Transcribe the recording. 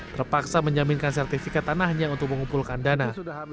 terpaksa menjaminkan sertifikat tanahnya untuk mengumpulkan dana